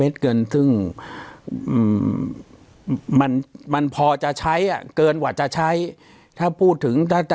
เกินซึ่งมันมันพอจะใช้อ่ะเกินกว่าจะใช้ถ้าพูดถึงถ้าจะ